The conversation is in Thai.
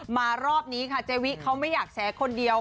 รอบนี้ค่ะเจวิเขาไม่อยากแฉคนเดียว